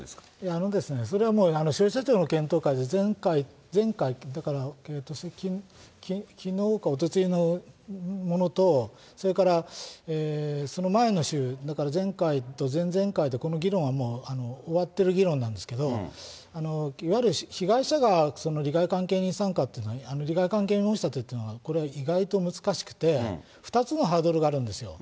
あのですね、それは消費者庁の検討会で前回、だからきのうかおとついのものと、それからその前の週、だから前回と前々回で、この議論は終わってる議論なんですけど、いわゆる被害者が利害関係人参加というのは、利害関係申し立てというのは、これは意外と難しくて、２つのハードルがあるんですよ。